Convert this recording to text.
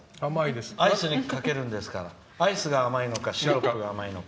アイスにかけるんですからアイスが甘いのかシロップが甘いのか。